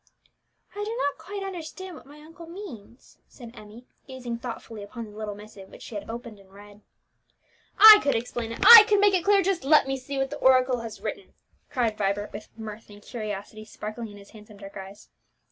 "I do not quite understand what my uncle means," said Emmie, gazing thoughtfully upon the little missive which she had opened and read. "I could explain it I could make it clear just let me see what the oracle has written!" cried Vibert, with mirth and curiosity sparkling in his handsome dark eyes.